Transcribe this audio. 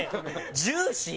「ジューシー」。